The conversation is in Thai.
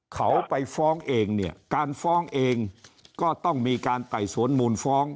เขาไปฟ้องเองเนี่ยการฟ้องเองก็ต้องมีการไต่สวนมูลฟ้อง